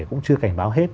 cũng chưa cảnh báo hết